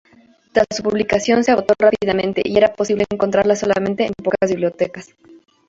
Tras su publicación se agotó rápidamente y era posible encontrarla solamente en pocas bibliotecas.